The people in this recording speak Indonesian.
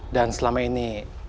dan selama ini